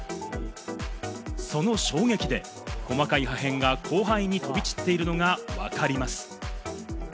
その衝撃で細かい破片が広範囲に飛び散っているのがわかります。